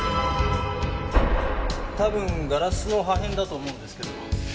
多分ガラスの破片だと思うんですけど。